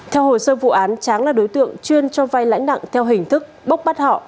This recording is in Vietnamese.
theo hồ sơ vụ án tráng là đối tượng chuyên cho vay lãnh nặng theo hình thức bốc bắt họ